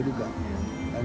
tanya pak kapolri pastinya